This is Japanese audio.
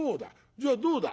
じゃあどうだ？